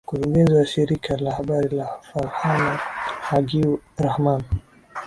Mkurungenzi wa shirika la habari la Falhana Haque Rahman